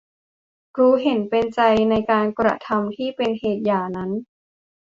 รู้เห็นเป็นใจในการกระทำที่เป็นเหตุหย่านั้น